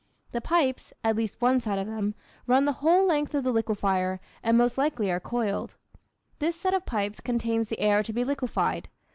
The pipes at least one set of them run the whole length of the liquefier, and most likely are coiled. This set of pipes contains the air to be liquefied.